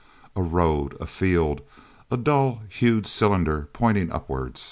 A road, a field, a dull hued cylinder pointing upward.